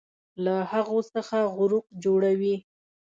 له هغو څخه غروق جوړوي